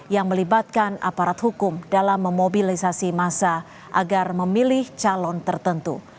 yang melibatkan aparat hukum dalam memobilisasi massa agar memilih calon tertentu